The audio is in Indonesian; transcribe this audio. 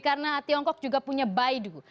karena tiongkok juga punya baidu